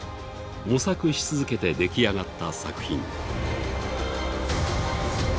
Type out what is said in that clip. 模索し続けて出来上がった作品。